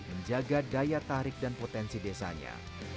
menjaga daya tarik dan potensi desanya